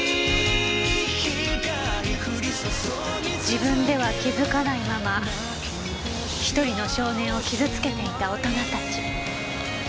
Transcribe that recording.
自分では気づかないまま一人の少年を傷つけていた大人たち。